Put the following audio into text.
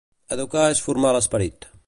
Educar és formar l'esperit.